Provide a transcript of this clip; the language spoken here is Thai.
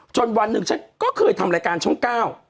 จนวันหนึ่งก็เคยทำรายการช้องก้าว